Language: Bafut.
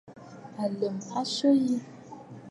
Àlə̀m a syə yi.